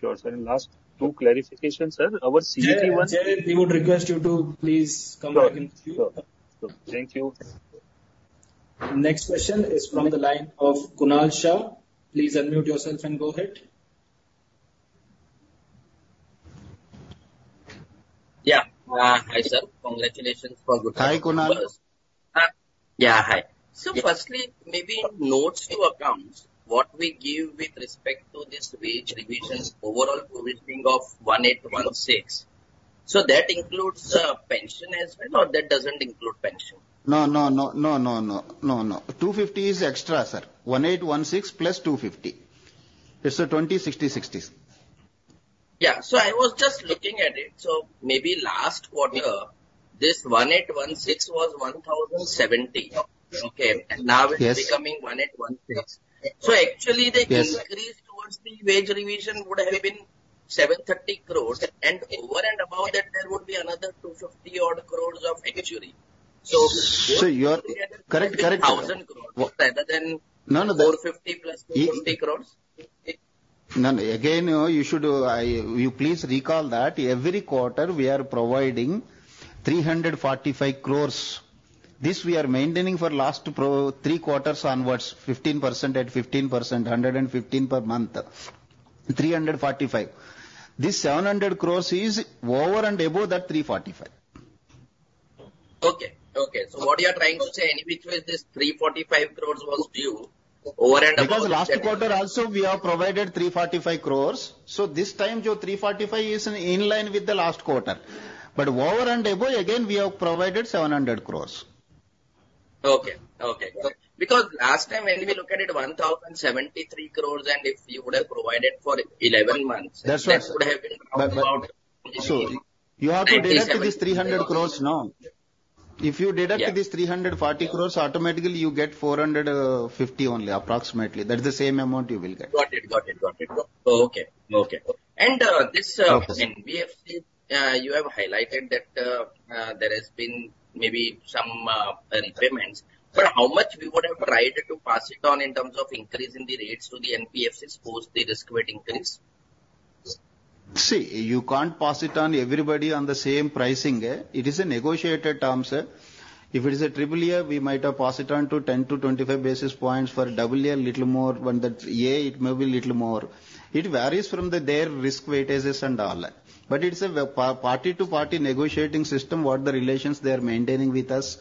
Sure, sir. And last two clarifications, sir, our CET was- Jai, Jai, we would request you to please come back in queue. Sure. Sure. Thank you. Next question is from the line of Kunal Shah. Please unmute yourself and go ahead. Yeah. Hi, sir. Congratulations for good- Hi, Kunal. Yeah, hi. So firstly, maybe notes to accounts, what we give with respect to this wage revisions overall provisioning of 1,816. So that includes pension as well, or that doesn't include pension? No, no, no. No, no, no. No, no. 250 is extra, sir. 1,816 plus 250. It's a 20 60 60, sir. Yeah. I was just looking at it. Maybe last quarter, this 1816 was 1,070. Okay? Yes. Now it's becoming 1816. Yes. So actually, the increase towards the wage revision would have been 730 crore, and over and above that, there would be another 250 odd crore of actuary. So- So you are... Correct, correct. 1,000 crore rather than- No, no. 450 crore + INR 250 crore? No, again, you should, you please recall that every quarter we are providing 345 crore. This we are maintaining for last three quarters onwards, 15% at 15%, 115 per month. 345 crore. This 700 crore is over and above that 345. Okay. Okay. So what you're trying to say, anyway, this 345 crore was due over and above- Because last quarter also, we have provided 345 crore. So this time, your 345 is in line with the last quarter. But over and above, again, we have provided 700 crore. Okay. Okay. Because last time when we looked at it, 1,073 crore, and if you would have provided for 11 months- That's why- That would have been about- You have to deduct this 300 crore now. Yeah. If you deduct this 340 crore, automatically you get 450 only, approximately. That's the same amount you will get. Got it. Got it. Got it. Okay. Okay. Okay. This, when we have seen, you have highlighted that there has been maybe some repayments, but how much we would have tried to pass it on in terms of increasing the rates to the NPAs post the risk-weight increase? See, you can't pass it on to everybody on the same pricing. It is a negotiated terms. If it is a triple A, we might have passed it on to 10-25 basis points. For double A, a little more, when that's A, it may be a little more. It varies from their risk weightages and all. But it's a party-to-party negotiating system, what the relations they are maintaining with us,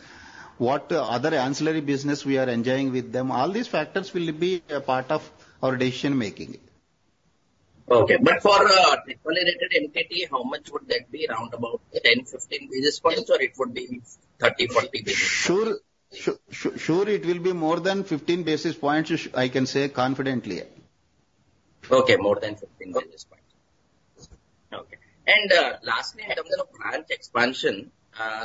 what other ancillary business we are enjoying with them. All these factors will be a part of our decision-making. Okay. But for AAA-rated entity, how much would that be? Around 10-15 basis points, or it would be 30-40 basis points? Sure, it will be more than 15 basis points. I can say confidently. Okay, more than 15 basis points. Okay. And, lastly, in terms of branch expansion,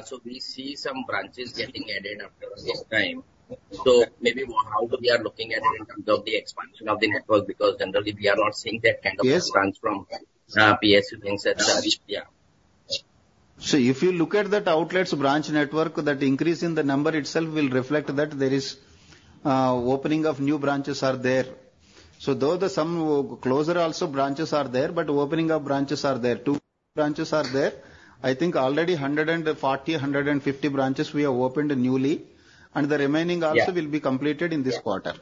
so we see some branches getting added after this time. So maybe how we are looking at it in terms of the expansion of the network, because generally we are not seeing that kind of- Yes. -from, PSU banks, et cetera. Yeah. So if you look at that outlets branch network, that increase in the number itself will reflect that there is opening of new branches are there. So though there some closer also branches are there, but opening of branches are there, too. Branches are there. I think already 140, 150 branches we have opened newly, and the remaining also- Yeah. will be completed in this quarter.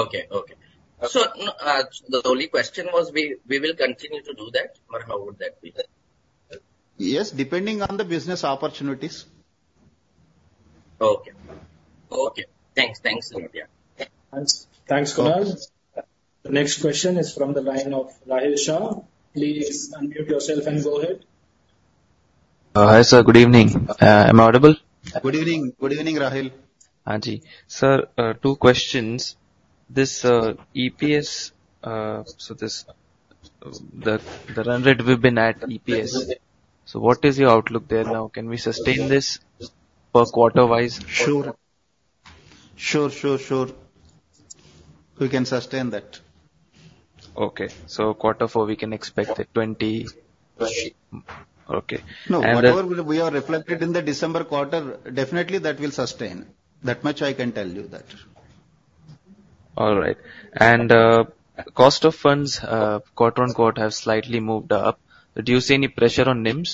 Okay, okay. So, the only question was we will continue to do that, or how would that be done? Yes, depending on the business opportunities. Okay. Okay. Thanks. Thanks, sir. Yeah. Thanks. Thanks, Kunal. The next question is from the line of Rahil Shah. Please unmute yourself and go ahead. Hi, sir, good evening. Am I audible? Good evening. Good evening, Rahil. Hi, ji. Sir, two questions. This, EPS, so this, the, the run rate we've been at EPS. So what is your outlook there now? Can we sustain this per quarter-wise? Sure. Sure, sure, sure. We can sustain that. Okay. So quarter four, we can expect a twenty- Right. Okay. And, No, whatever we are reflected in the December quarter, definitely that will sustain. That much I can tell you that. All right. And, cost of funds, quarter on quarter have slightly moved up. Do you see any pressure on NIM?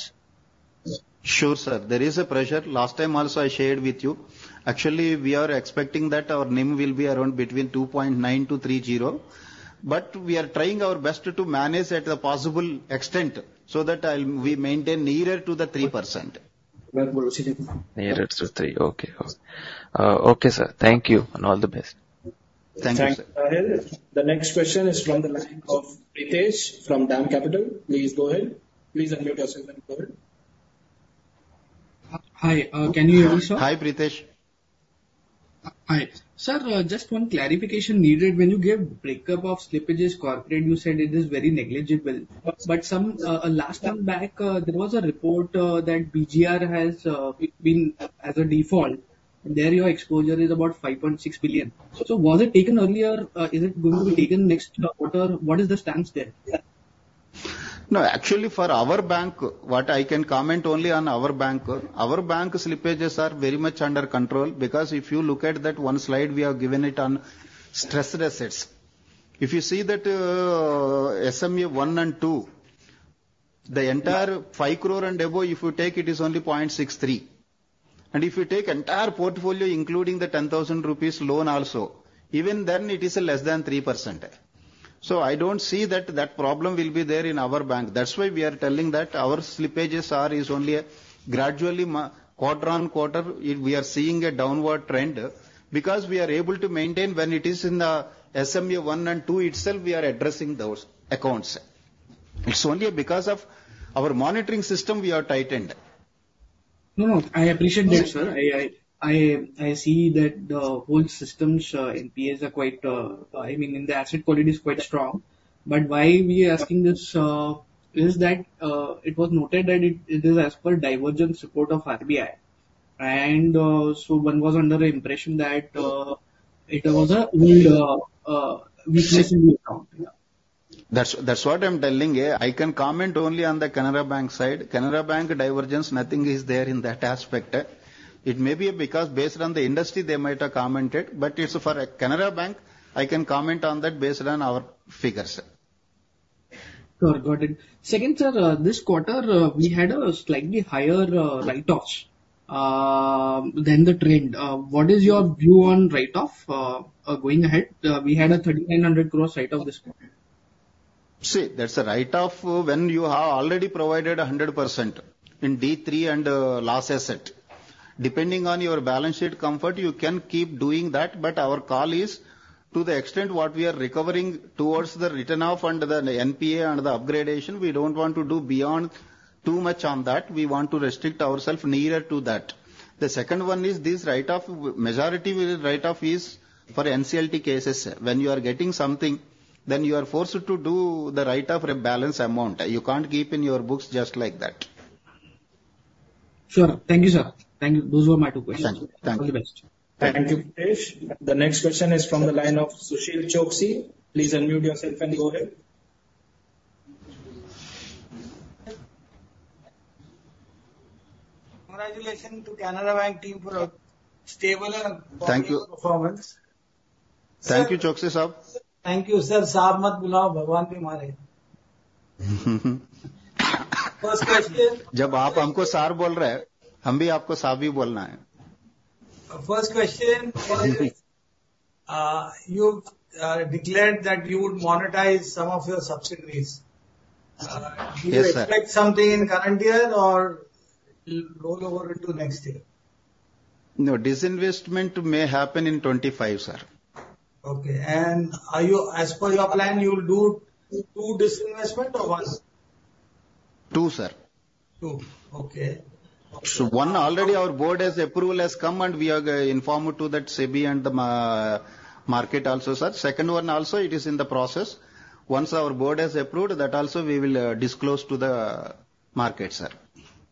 Sure, sir. There is a pressure. Last time also, I shared with you. Actually, we are expecting that our NIM will be around between 2.9%-3.0%, but we are trying our best to manage at a possible extent so that we maintain nearer to the 3%. Nearer to 3. Okay, okay. Okay, sir. Thank you, and all the best. Thank you, sir. Thanks, Rahil. The next question is from the line of Pritesh from DAM Capital. Please go ahead. Please unmute yourself and go ahead. Hi, can you hear me, sir? Hi, Pritesh. Hi. Sir, just one clarification needed. When you gave breakup of slippages corporate, you said it is very negligible. Yes. But sometime back, there was a report that BGR has been as a default. There, your exposure is about 5.6 billion. So was it taken earlier? Is it going to be taken next quarter? What is the stance there? ... No, actually for our bank, what I can comment only on our bank. Our bank slippages are very much under control, because if you look at that one slide we have given it on stressed assets. If you see that, SMA 1 and 2, the entire 5 crore and above, if you take it, is only 0.63%. And if you take entire portfolio including the 10,000 rupees loan also, even then it is less than 3%. So I don't see that that problem will be there in our bank. That's why we are telling that our slippages are, is only gradually, quarter-over-quarter, we are seeing a downward trend, because we are able to maintain when it is in the SMA 1 and 2 itself, we are addressing those accounts. It's only because of our monitoring system we have tightened. No, no, I appreciate that, sir. I see that the wholesale NPAs are quite, I mean, the asset quality is quite strong. But why we are asking this is that it was noted that it is as per divergence report of RBI. And so one was under the impression that it was a old weakness in the account. Yeah. That's, that's what I'm telling you. I can comment only on the Canara Bank side. Canara Bank divergence, nothing is there in that aspect. It may be because based on the industry, they might have commented, but it's for Canara Bank, I can comment on that based on our figures. Sure. Got it. Second, sir, this quarter, we had a slightly higher write-offs than the trend. What is your view on write-off going ahead? We had a 3,900 crore write-off this quarter. See, that's a write-off when you have already provided 100% in D3 and loss asset. Depending on your balance sheet comfort, you can keep doing that, but our call is to the extent what we are recovering towards the written off under the NPA under the upgradation, we don't want to do beyond too much on that. We want to restrict ourselves nearer to that. The second one is this write-off, majority write-off is for NCLT cases. When you are getting something, then you are forced to do the write-off for a balance amount. You can't keep in your books just like that. Sure. Thank you, sir. Thank you. Those were my two questions. Thank you. All the best. Thank you, Ritesh. The next question is from the line of Sushil Choksey. Please unmute yourself and go ahead. Congratulations to Canara Bank team for a stable and- Thank you. -performance. Thank you, Choksey Saab. Thank you, sir. Saab mat bulao, Bhagwan be mare. First question- Jab aap humko saab bol rahe hai, hum bhi aapko saab hi bolna hai. First question, you declared that you would monetize some of your subsidiaries? Yes, sir. Do you expect something in current year or it will roll over into next year? No, disinvestment may happen in 2025, sir. Okay. And are you... As per your plan, you will do two disinvestment or once? Two, sir. Two. Okay. So, one, already our board has approval has come, and we are informed to that SEBI and the market also, sir. Second one also, it is in the process. Once our board has approved, that also we will disclose to the market, sir.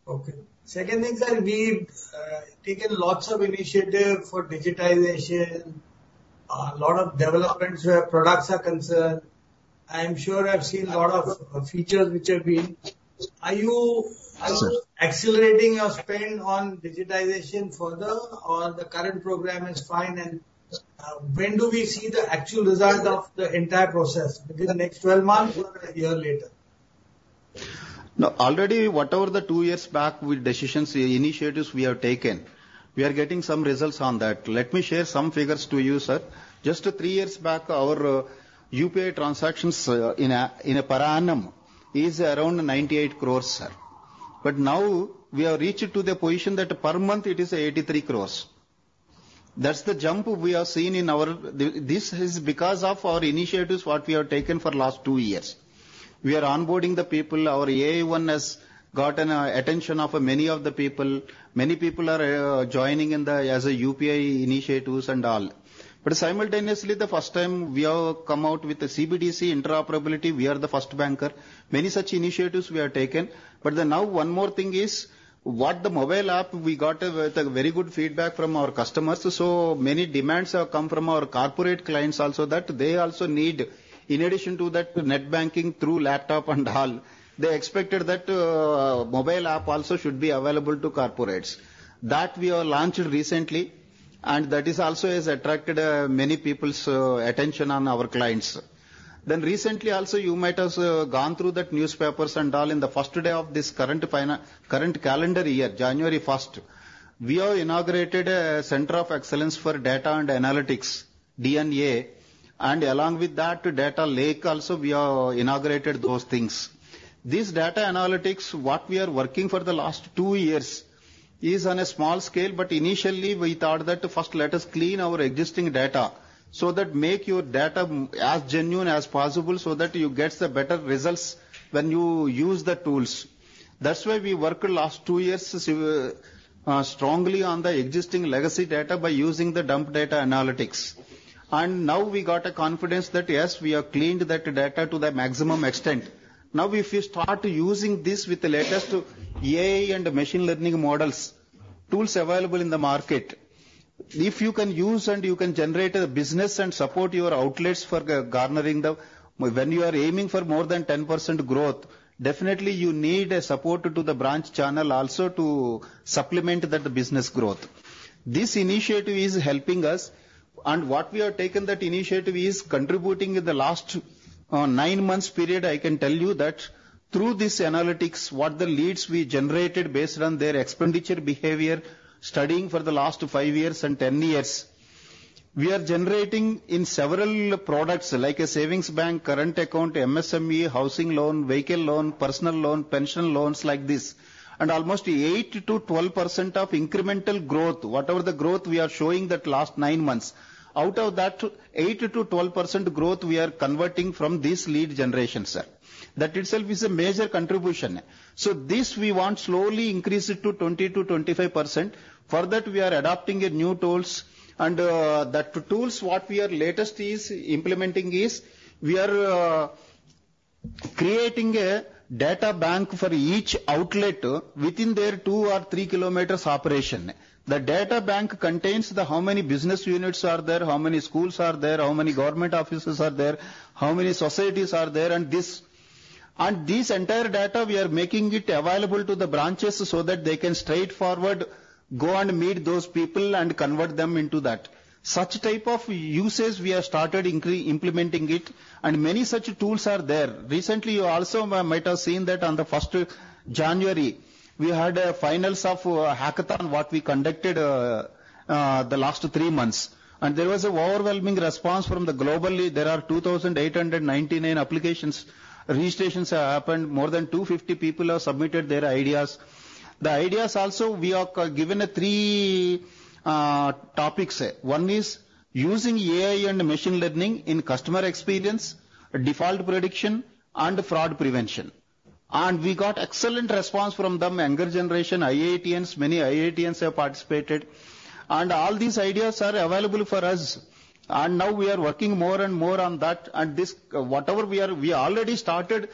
Okay. Second thing, sir, we've taken lots of initiative for digitization, a lot of developments where products are concerned. I am sure I've seen a lot of features which have been. Are you, are you accelerating your spend on digitization further, or the current program is fine, and, when do we see the actual results of the entire process? Within the next 12 months or a year later? No, already, whatever the two years back with decisions, initiatives we have taken, we are getting some results on that. Let me share some figures to you, sir. Just three years back, our UPI transactions, in a per annum is around 98 crores, sir. But now we have reached to the position that per month it is 83 crores. That's the jump we have seen in our... This is because of our initiatives, what we have taken for last two years. We are onboarding the people. Our Ai1 has gotten, attention of many of the people. Many people are, joining in as a UPI initiatives and all. But simultaneously, the first time we have come out with the CBDC interoperability, we are the first banker. Many such initiatives we have taken. But then now one more thing is, with the mobile app, we got a very good feedback from our customers. So many demands have come from our corporate clients also that they also need, in addition to that, net banking through laptop and all. They expected that mobile app also should be available to corporates. That we have launched recently, and that also has attracted many people's attention of our clients. Then recently, also, you might have gone through the newspapers and all in the first day of this current calendar year, January first. We have inaugurated a center of excellence for data and analytics, D&A, and along with that data lake also, we have inaugurated those things. This data analytics, what we are working on for the last two years, is on a small scale, but initially, we thought that first let us clean our existing data, so that we make our data as genuine as possible, so that you get the better results when you use the tools. That's why we worked last two years strongly on the existing legacy data by using the big data analytics. And now we got a confidence that, yes, we have cleaned that data to the maximum extent. Now, if you start using this with the latest AI and machine learning models, tools available in the market. If you can use and you can generate a business and support your outlets for garnering them, when you are aiming for more than 10% growth, definitely you need a support to the branch channel also to supplement that business growth. This initiative is helping us, and what we have taken that initiative is contributing in the last 9 months period. I can tell you that through this analytics, what the leads we generated based on their expenditure behavior, studying for the last 5 years and 10 years. We are generating in several products, like a savings bank, current account, MSME, housing loan, vehicle loan, personal loan, pension loans, like this. Almost 8%-12% of incremental growth, whatever the growth we are showing that last 9 months, out of that, 8%-12% growth we are converting from this lead generation, sir. That itself is a major contribution. So this we want slowly increase it to 20%-25%. For that, we are adopting a new tools, and that tools, what we are latest implementing is, we are creating a data bank for each outlet within their two or three kilometers operation. The data bank contains the how many business units are there, how many schools are there, how many government offices are there, how many societies are there, and this. And this entire data, we are making it available to the branches so that they can straightforward go and meet those people and convert them into that. Such type of usage we have started implementing it, and many such tools are there. Recently, you also might have seen that on the first January, we had a finals of Hackathon, what we conducted the last three months. And there was an overwhelming response from the globally. There are 2,899 applications. Registrations have happened. More than 250 people have submitted their ideas. The ideas also, we have given three topics. One is using AI and machine learning in customer experience, default prediction, and fraud prevention. We got excellent response from the younger generation, IITians, many IITians have participated, and all these ideas are available for us. Now we are working more and more on that, and this, whatever we are, we already started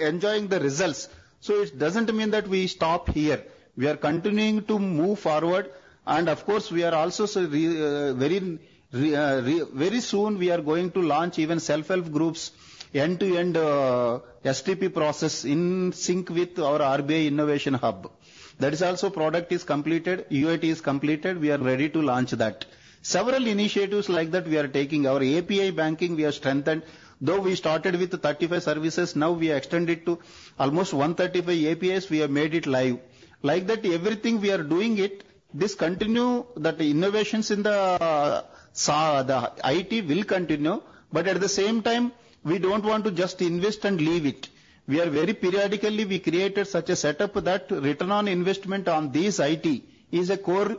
enjoying the results. It doesn't mean that we stop here. We are continuing to move forward, and of course, we are also so very, very soon we are going to launch even self-help groups, end-to-end STP process in sync with our RBI innovation hub. That is also product is completed, UAT is completed, we are ready to launch that. Several initiatives like that we are taking. Our API banking, we have strengthened. Though we started with 35 services, now we extended to almost 135 APIs, we have made it live. Like that, everything we are doing it, this continue, that innovations in the, the IT will continue, but at the same time, we don't want to just invest and leave it. We are very periodically, we created such a setup that return on investment on this IT is a core,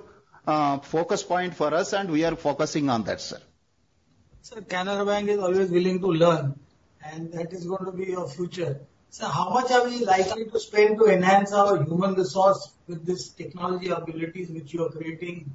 focus point for us, and we are focusing on that, sir. Sir, Canara Bank is always willing to learn, and that is going to be your future. Sir, how much are we likely to spend to enhance our human resource with this technology abilities which you are creating?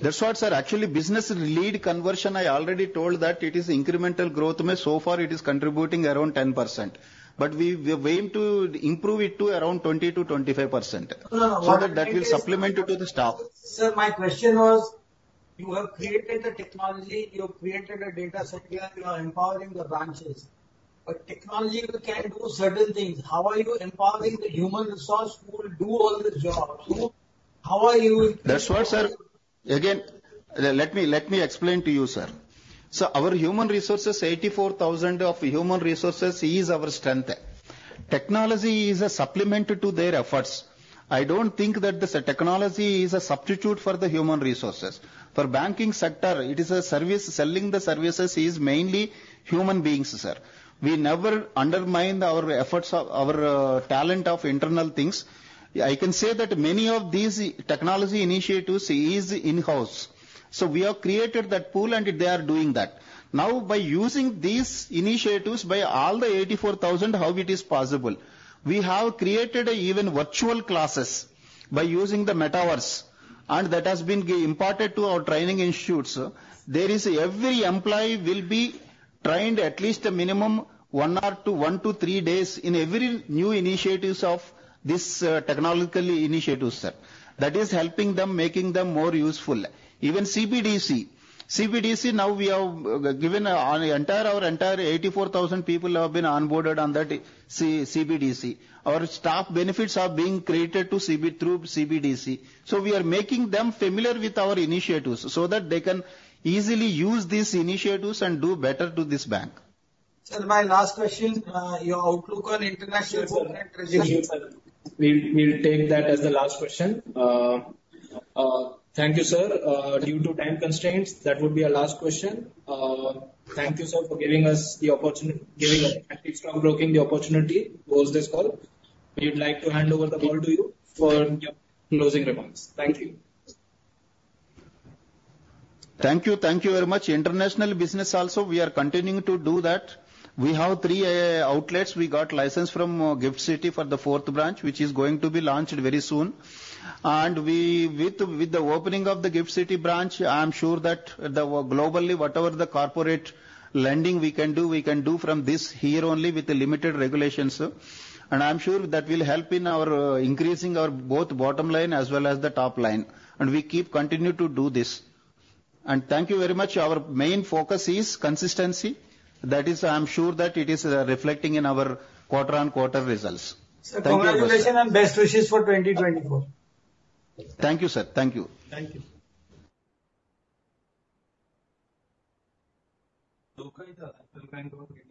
That's what, sir. Actually, business lead conversion, I already told that it is incremental growth, so far it is contributing around 10%. But we, we aim to improve it to around 20-25%. No, no, no- So that will supplement it to the staff. Sir, my question was, you have created a technology, you have created a data center, you are empowering the branches. But technology can do certain things. How are you empowering the human resource who will do all the jobs? How are you- That's what, sir. Again, let me, let me explain to you, sir. So our human resource is 84,000 of human resources is our strength. Technology is a supplement to their efforts. I don't think that the technology is a substitute for the human resources. For banking sector, it is a service, selling the services is mainly human beings, sir. We never undermine the efforts of our, talent of internal things. I can say that many of these technology initiatives is in-house. So we have created that pool, and they are doing that. Now, by using these initiatives, by all the 84,000, how it is possible? We have created even virtual classes by using the metaverse, and that has been imported to our training institutes. There is every employee will be trained at least a minimum 1 or 2, 1 to 3 days in every new initiatives of this, technologically initiatives, sir. That is helping them, making them more useful. Even CBDC. CBDC, now we have given our entire, our entire 84,000 people have been onboarded on that CBDC. Our staff benefits are being created to CBDC through CBDC. So we are making them familiar with our initiatives so that they can easily use these initiatives and do better to this bank. Sir, my last question, your outlook on international- Thank you, sir. We'll take that as the last question. Thank you, sir. Due to time constraints, that would be our last question. Thank you, sir, for giving us the opportunity, giving us at Antique Stock Broking the opportunity to host this call. We'd like to hand over the call to you for your closing remarks. Thank you. Thank you. Thank you very much. International business also, we are continuing to do that. We have three outlets. We got license from GIFT City for the fourth branch, which is going to be launched very soon. And we, with, with the opening of the GIFT City branch, I am sure that the, globally, whatever the corporate lending we can do, we can do from this here only with the limited regulations. And I'm sure that will help in our increasing our both bottom line as well as the top line, and we keep continuing to do this. And thank you very much. Our main focus is consistency. That is, I am sure that it is reflecting in our quarter-on-quarter results. Sir, congratulations- Thank you. Best wishes for 2024. Thank you, sir. Thank you. Thank you....